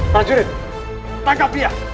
pak juret tangkap dia